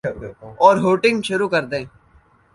اورہوٹنگ شروع کردیں۔